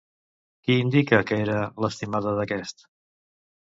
Qui indica que era l'estimada d'aquest?